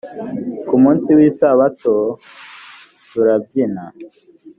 ku munsi w isabato turabyina